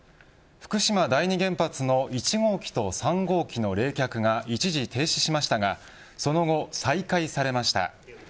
福島第二原発の１号機と３号機の冷却が一時停止しましたがその後、再開されました。